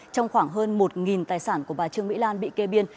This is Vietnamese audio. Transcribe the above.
trong khoảng hơn một tài sản của bà trương mỹ lan bị kê biên